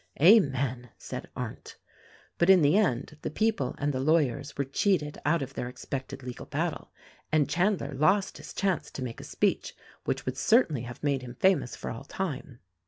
"Amen," said Arndt. But, in the end, the people and the lawyers were cheated out of their expected legal battle, and Chandler lost his chance to make a speech which would certainly have made him famous for all time.